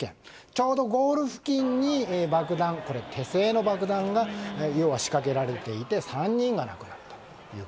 ちょうどゴール付近に爆弾手製の爆弾が仕掛けられていて３人が亡くなったと。